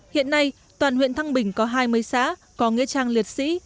hiện nay toàn huyện thăng bình có hai mươi xã có nghĩa trang liệt sĩ